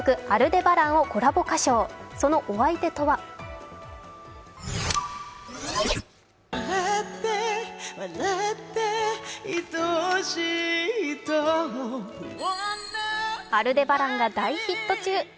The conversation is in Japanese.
「アルデバラン」が大ヒット中。